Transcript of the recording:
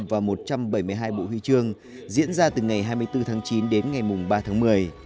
và một trăm bảy mươi hai bộ huy trường diễn ra từ ngày hai mươi bốn tháng chín đến ngày ba tháng một mươi